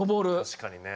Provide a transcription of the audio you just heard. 確かにね。